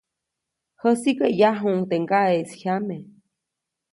Jäsiʼka, yajuʼuŋ teʼ ŋgaʼeʼis jyame.